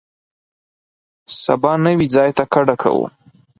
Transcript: سبا نوي ځای ته کډه کوو.